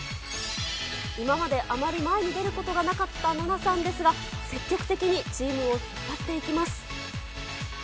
今まであまり前に出ることがなかったナナさんですが、積極的にチームを引っ張っていきます。